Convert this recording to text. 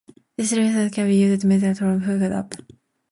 This defense can be used by military units from squad up.